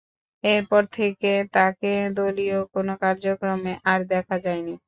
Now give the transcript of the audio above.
এরপর থেকে তাকে দলীয় কোনো কার্যক্রমে আর দেখা যায়নি।